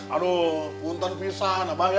aduh buntan pisang abang ya